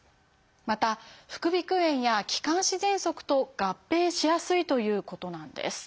また副鼻腔炎や気管支ぜんそくと合併しやすいということなんです。